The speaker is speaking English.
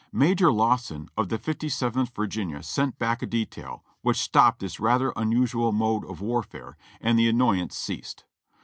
Major Lawson. of the Fifty fifth Virginia, sent back a detail, which stopped this rather unusual mode of warfare, and the annoyance ceased.